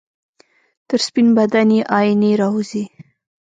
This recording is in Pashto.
تر سپین بدن یې آئینې راوځي